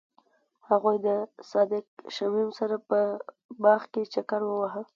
هغوی د صادق شمیم سره په باغ کې چکر وواهه.